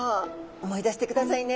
思い出してくださいね。